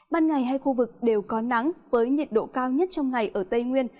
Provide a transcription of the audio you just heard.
ban ngày hai khu vực đều có nắng với nhiệt độ cao nhất trong ngày ở tây nguyên